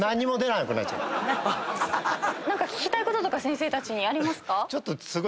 聞きたいこととか先生たちにありますか？